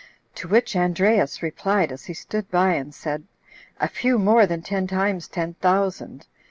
To which Andreas replied, as he stood by, and said, "A few more than ten times ten thousand."